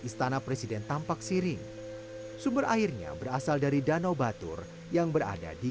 istana presiden tampak siring sumber airnya berasal dari danau batur yang berada di